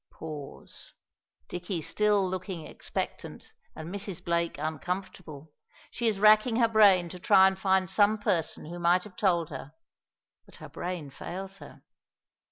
Pause! Dicky still looking expectant and Mrs. Blake uncomfortable. She is racking her brain to try and find some person who might have told her, but her brain fails her.